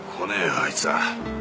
あいつは。